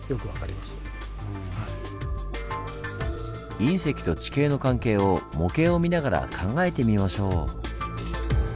隕石と地形の関係を模型を見ながら考えてみましょう！